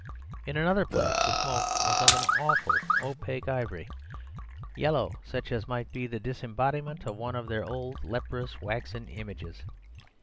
In another place the smoke was of an awful opaque ivory yellow, such as might be the disembodiment of one of their old, leprous waxen images.